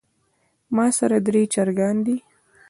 ماسره درې چرګان دي